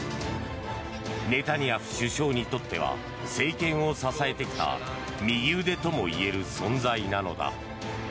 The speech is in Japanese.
ネタニヤフ首相にとっては政権を支えてきた右腕ともいえる存在なのだ。